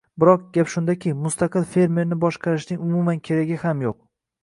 Biroq, gap shundaki, mustaqil fermerni boshqarishning umuman keragi ham yo‘q.